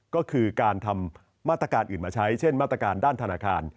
ก็คือการทำมาตรการอื่นมาใช้เช่นมาตรการด้านธนาคาร